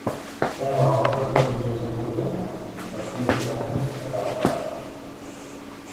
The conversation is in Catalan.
Terra horta de tarongers a Borriana, partida Novenes de Calatrava.